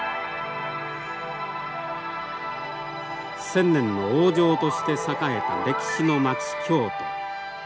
千年の王城として栄えた歴史の町京都。